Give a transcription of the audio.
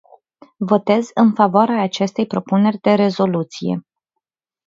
Votez în favoarea acestei propuneri de rezoluție.